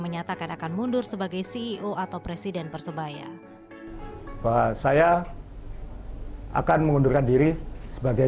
menyatakan akan mundur sebagai ceo atau presiden persebaya saya akan mengundurkan diri sebagai